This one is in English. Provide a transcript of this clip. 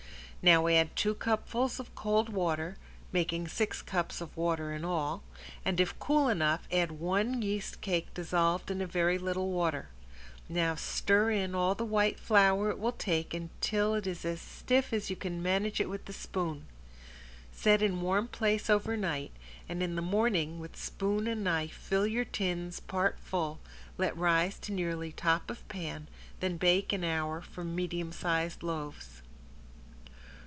Now add two cupfuls of cold water (making six cups of water in all) and, if cool enough, add one yeast cake dissolved in a very little water. Now stir in all the white flour it will take until it is as stiff as you can manage it with the spoon. Set in warm place over night, and in the morning with spoon and knife fill your tins part full, let rise to nearly top of pan, then bake an hour for medium size loaves.